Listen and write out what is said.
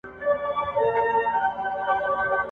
چي لږ مخکي له بل ځایه وو راغلی ..